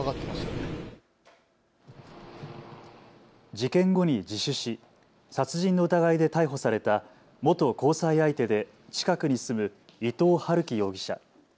事件後に自首し、殺人の疑いで逮捕されれた元交際相手で近くに住む伊藤龍稀容疑者。